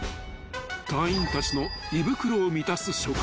［隊員たちの胃袋を満たす］